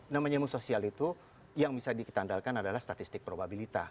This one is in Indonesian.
namanya ilmu sosial itu yang bisa kitandalkan adalah statistik probabilitas